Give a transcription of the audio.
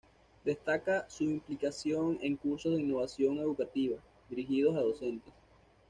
Destaca su implicación en cursos de innovación educativa, dirigidos a docentes.